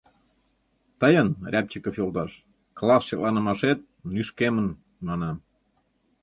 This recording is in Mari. Тыйын, Рябчиков йолташ, класс шекланымашет нӱшкемын, манам.